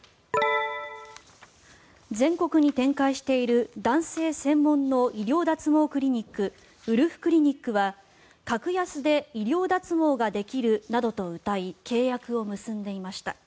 全国に展開している男性専門の医療脱毛クリニックウルフクリニックは格安で医療脱毛ができるなどとうたい契約を結んでいました。